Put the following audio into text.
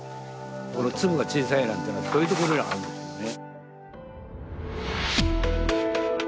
この粒が小さいなんていうのはそういうところにあるんでしょうね。